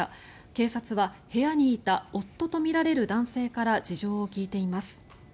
警察は、部屋にいた夫とみられる男性から事情を聴いています。